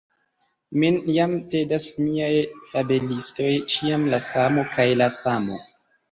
Min jam tedas miaj fabelistoj, ĉiam la samo kaj la samo.